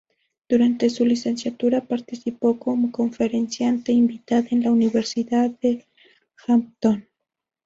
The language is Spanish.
Durante su licenciatura participó como conferenciante invitada en la Universidad de Hampton.